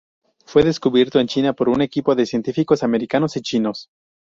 Fue descubierto en China por un equipo de científicos americanos y chinos.